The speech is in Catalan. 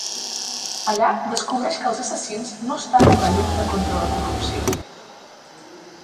Allà, descobreix que els assassins no estan en la lluita contra la corrupció.